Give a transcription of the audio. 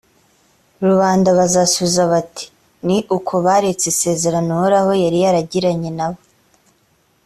rubanda bazasubiza bati «ni uko baretse isezerano uhoraho yari yaragiranye na bo,